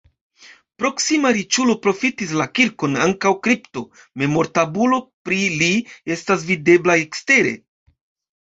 Proksima riĉulo profitis la kirkon ankaŭ kripto, memortabulo pri li estas videbla ekstere.